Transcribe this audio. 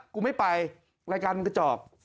กูไม่ไปรายการมันก็จอบ